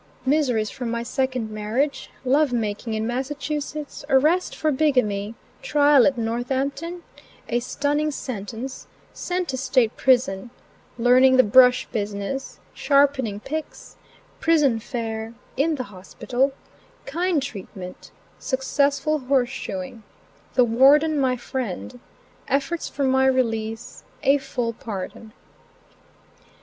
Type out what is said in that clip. MISERIES FROM MY SECOND MARRIAGE. LOVE MAKING IN MASSACHUSETTS ARREST FOR BIGAMY TRIAL AT NORTHAMPTON A STUNNING SENTENCE SENT TO STATE PRISON LEARNING THE BRUSH BUSINESS SHARPENING PICKS PRISON FARE IN THE HOSPITAL KIND TREATMENT SUCCESSFUL HORSE SHOEING THE WARDEN MY FRIEND EFFORTS FOR MY RELEASE A FULL PARDON.